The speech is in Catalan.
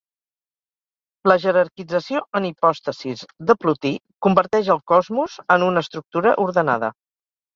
La jerarquització en hipòstasis de Plotí converteix el cosmos en una estructura ordenada.